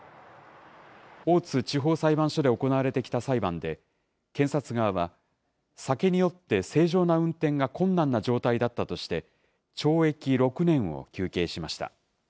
大津地方裁判所で行われてきた裁判で、検察側は、酒に酔って正常な運転が困難な状態だったとして、懲役６年を求刑しました。